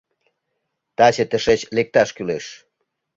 Таче тышеч лекташ кӱлеш.